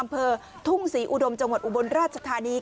อำเภอทุ่งศรีอุดมจังหวัดอุบลราชธานี